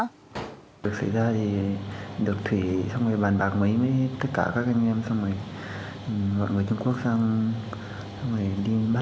được xảy ra thì được thủy xong rồi bàn bạc mấy với tất cả các anh em xong rồi vận với trung quốc xong rồi đi bắt ạ